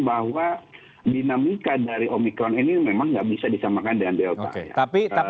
bahwa dinamika dari omikron ini memang tidak bisa disamakan dengan delta ya